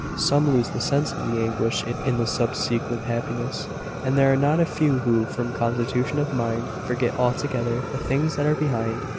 Some lose the sense of the anguish in the subsequent happiness; and there are not a few who, from constitution of mind, forget altogether `the things that are behind.'